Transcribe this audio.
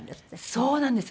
そうなんです。